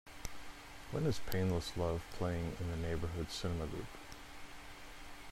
When is Painless Love playing in the Neighborhood Cinema Group